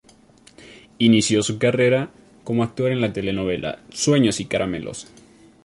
Inició su carrera como actor en la telenovela "Sueños y caramelos".